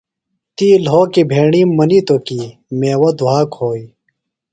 تی لھوکیۡ بھݨِیم مِنیتوۡ کی میوہ دُھا کھوئی۔